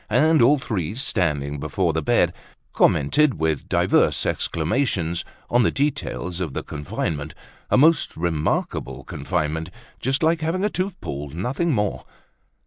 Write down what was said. And all three, standing before the bed, commented with divers exclamations on the details of the confinement—a most remarkable confinement, just like having a tooth pulled, nothing more.